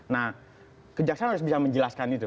nah kejaksaan harus bisa menjelaskan itu